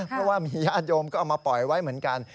เพราะว่ามีญาติโยมก็เอามาปล่อยไว้เหมือนกัน